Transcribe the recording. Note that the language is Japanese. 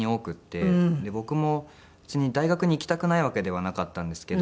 僕も別に大学に行きたくないわけではなかったんですけど。